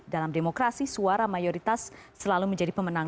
dalam demokrasi suara mayoritas selalu menjadi pemenang